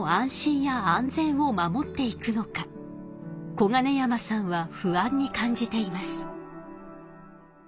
小金山さんは不安に感じています。